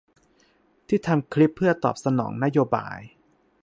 ที่ทำคลิปเพื่อตอบสนองนโยบาย